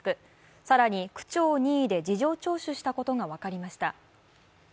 更に区長を任意で事情聴取したことが分かりました。